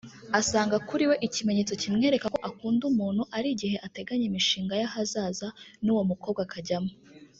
Asanga kuri we ikimenyetso kimwereka ko akunda umuntu ari igihe ateganya imishinga y’ahazaza n’uwo mukobwa akajyamo